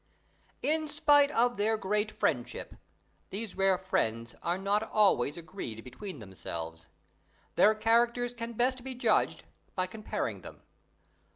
In spite of their great friendship, these rare friends are not always agreed between themselves. Their characters can best be judged by comparing them.